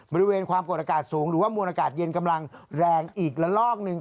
บริเวณความกดอากาศสูงหรือว่ามวลอากาศเย็นกำลังแรงอีกละลอกหนึ่ง